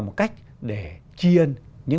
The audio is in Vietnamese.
một cách để chi ơn những